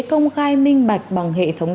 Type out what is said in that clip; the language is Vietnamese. công khai minh bạch bằng hệ thống